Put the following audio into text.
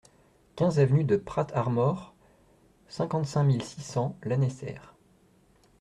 quinze avenue de Prat Ar Mor, cinquante-six mille six cents Lanester